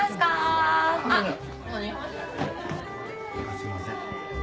すいません。